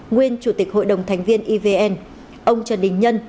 nguyên chủ tịch hội đồng thành viên evn ông trần đình nhân